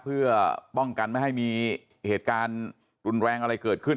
เพื่อป้องกันไม่ให้มีเหตุการณ์รุนแรงอะไรเกิดขึ้น